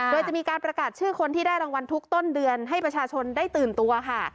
โดยจะมีการประกาศชื่อคนที่ได้รางวัลทุกต้นเดือนให้ประชาชนได้ตื่นตัวค่ะ